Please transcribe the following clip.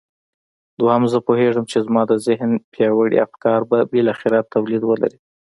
دويم زه پوهېږم چې زما د ذهن پياوړي افکار به بالاخره توليد ولري.